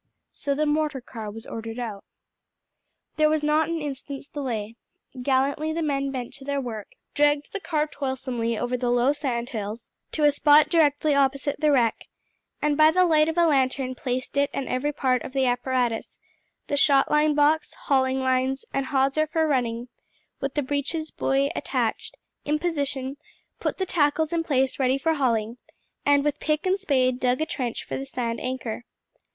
So the mortar car was ordered out. There was not an instant's delay. Gallantly the men bent to their work, dragged the car toilsomely over the low sand hills to a spot directly opposite the wreck, and by the light of a lantern placed it and every part of the apparatus the shot line box, hauling lines and hawser for running, with the breeches buoy attached in position, put the tackles in place ready for hauling, and with pick and spade dug a trench for the sand anchor.